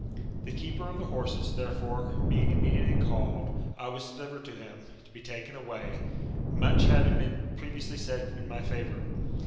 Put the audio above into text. The keeper of the horses therefore, being immediately called, I was delivered to him, to be taken away, much having been previously said in my favour.